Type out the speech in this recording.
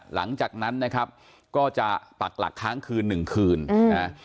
หลังจากนั้นนะครับก็จะปักหลักค้างคืนหนึ่งคืนนะ